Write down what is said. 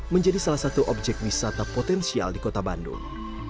menjadi salah satu objek wisata potensial di kota bandung